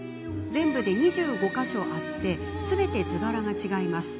全部で２５か所ありすべて図柄が違います。